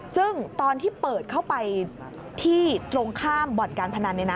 ซึ่งตอนที่เปิดเข้าไปที่ตรงข้ามบ่อนการพนัน